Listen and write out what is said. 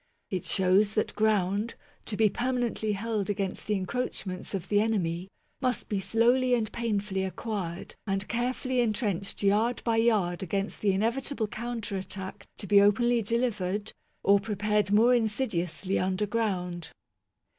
It shows that ground, to be permanently held against the encroachments of the enemy, must be slowly and painfully acquired and carefully entrenched yard by yard against the inevitable counter attack to be openly delivered, or prepared more insidiously underground.